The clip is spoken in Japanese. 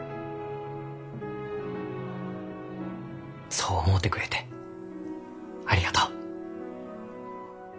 そう思うてくれてありがとう。